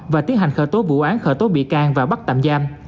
và tiến hành khởi tố vụ án khởi tố bị can và bắt tạm giam